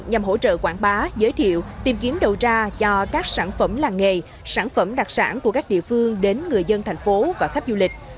nhằm hỗ trợ quảng bá giới thiệu tìm kiếm đầu ra cho các sản phẩm làng nghề sản phẩm đặc sản của các địa phương đến người dân thành phố và khách du lịch